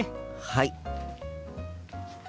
はい。